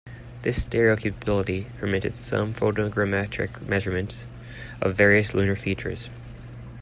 This stereo capability permitted some photogrammetric measurements of various lunar features.